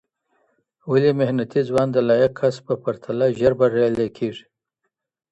ولي محنتي ځوان د لایق کس په پرتله ژر بریالی کېږي؟